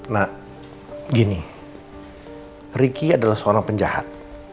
nah gini ricky adalah seorang penjahat